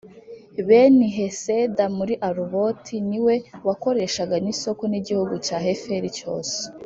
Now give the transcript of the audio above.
Beniheseda muri Aruboti, ni we wakoreshaga n’i Soko n’igihugu cya Heferi cyose